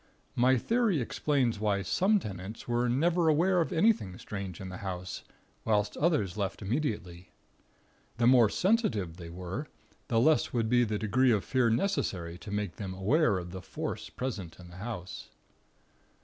My theory explains why some tenants were never aware of anything strange in the house, whilst others left immediately. The more sensitive they were, the less would be the degree of fear necessary to make them aware of the Force present in the house.